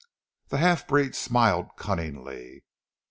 The half breed smiled cunningly.